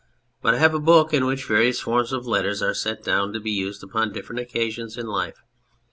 But I have a book in which various forms of letters are set down to be used upon different occasions in life.